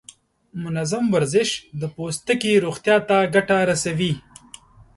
منظم ورزش د پوستکي روغتیا ته ګټه رسوي.